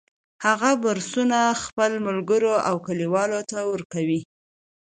هغه بورسونه خپلو ملګرو او کلیوالو ته ورکوي